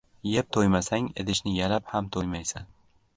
• Yeb to‘ymasang, idishni yalab ham to‘ymaysan.